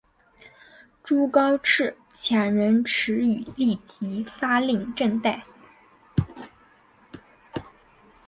朱高炽遣人驰谕立即发廪赈贷。